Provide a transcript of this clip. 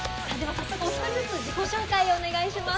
早速１人ずつ自己紹介をお願いします。